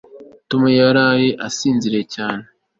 tom yaraye asinziriye cyane